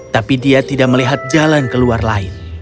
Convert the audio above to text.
tapi dia tidak melihat jalan ke luar lain